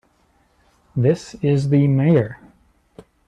This is the Mayor.